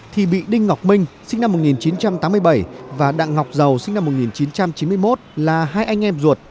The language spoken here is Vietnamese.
thì bị đinh ngọc minh sinh năm một nghìn chín trăm tám mươi bảy và đặng ngọc giàu sinh năm một nghìn chín trăm chín mươi một là hai anh em ruột